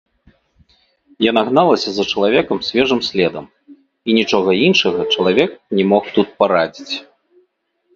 Яна гналася за чалавекам свежым следам, і нічога іншага чалавек не мог тут парадзіць.